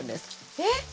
えっ？